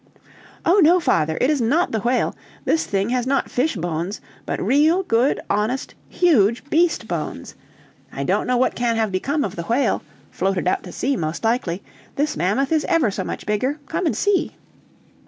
"Oh, no, father, it is not the whale. This thing has not fish bones, but real, good, honest, huge beast bones. I don't know what can have become of the whale floated out to sea, most likely. This mammoth is ever so much bigger. Come and see!"